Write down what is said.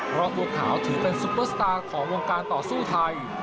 เพราะบัวขาวถือเป็นซุปเปอร์สตาร์ของวงการต่อสู้ไทย